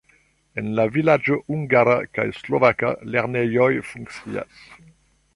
En la vilaĝo hungara kaj slovaka lernejoj funkcias.